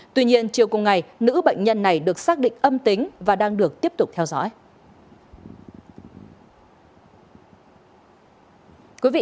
tuy nhiên chiều cùng ngày nữ bệnh nhân này được xác định âm tính và đang được tiếp tục theo dõi